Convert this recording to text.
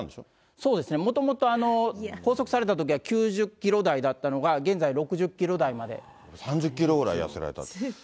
そうですね、もともと拘束されたときは９０キロ台だったのが、現在、６０キロ３０キロぐらい痩せられたと。